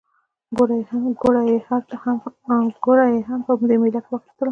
ګوړه یې هم په همدې مېله کې واخیستله.